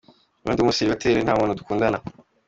Ubu ndi umusiribateri nta muntu dukundana.